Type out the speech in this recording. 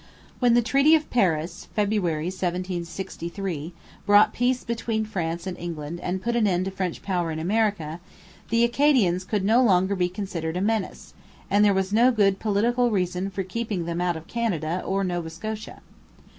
When the Treaty of Paris (February 1763) brought peace between France and England and put an end to French power in America, the Acadians could no longer be considered a menace, and there was no good political reason for keeping them out of Canada or Nova Scotia.